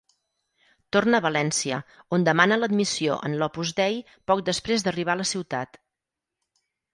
Torna a València, on demana l'admissió en l'Opus Dei poc després d'arribar a la ciutat.